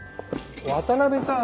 渡辺さん